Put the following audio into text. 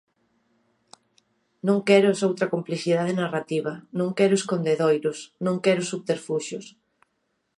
Non quero esoutra complexidade narrativa, non quero escondedoiros, non quero subterfuxios.